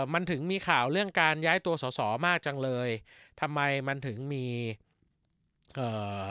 มันถึงมีข่าวเรื่องการย้ายตัวสอสอมากจังเลยทำไมมันถึงมีเอ่อ